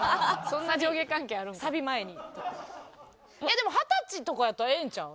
でも二十歳とかやったらええんちゃう？